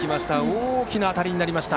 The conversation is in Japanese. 大きな当たりになりました。